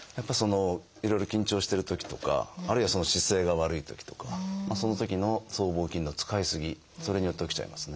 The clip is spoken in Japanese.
いろいろ緊張してるときとかあるいはその姿勢が悪いときとかそのときの僧帽筋の使い過ぎそれによって起きちゃいますね。